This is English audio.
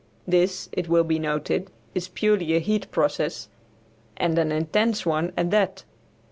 This, it will be noted, is purely a heat process, and an intense one at that.